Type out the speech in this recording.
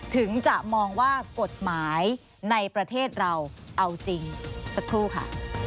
ถึงจะมองว่ากฎหมายในประเทศเราเอาจริงสักครู่ค่ะ